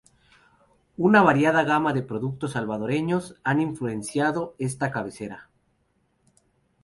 Una variada gama de productos salvadoreños han influenciado esta cabecera.